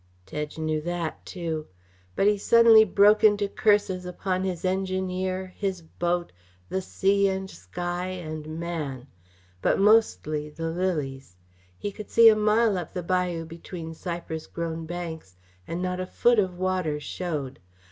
Tedge knew that, too. But he suddenly broke into curses upon his engineer, his boat, the sea and sky and man. But mostly the lilies. He could see a mile up the bayou between cypress grown banks, and not a foot of water showed.